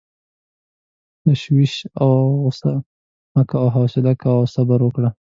تشویش او غصه مه کوه، حوصله کوه او صبر وکړه.